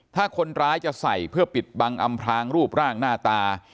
ถ้าคนร้ายจะใส่เพื่อปิดบังอำพลางรูปร่างหน้าตา